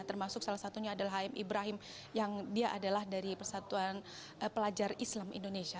termasuk salah satunya adalah hm ibrahim yang dia adalah dari persatuan pelajar islam indonesia